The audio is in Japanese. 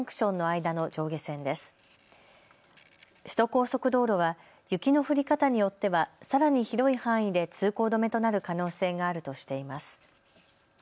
首都高速道路は雪の降り方によってはさらに広い範囲で通行止めとなる可能性があるとしています。